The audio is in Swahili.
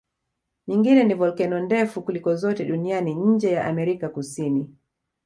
Nyingine ni volkeno ndefu kuliko zote duniani nje ya Amerika Kusini